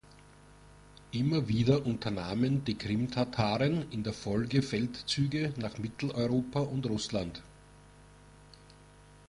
Immer wieder unternahmen die Krimtataren in der Folge Feldzüge nach Mitteleuropa und Russland.